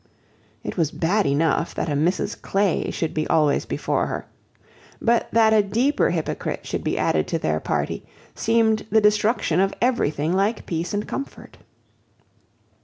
It was bad enough that a Mrs Clay should be always before her; but that a deeper hypocrite should be added to their party, seemed the destruction of everything like peace and comfort.